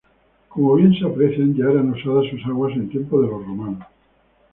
Como bien se aprecia ya eran usadas sus aguas en tiempos de los romanos.